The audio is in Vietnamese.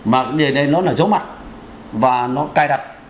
mà cái điều này nó là giấu mặt và nó cài đặt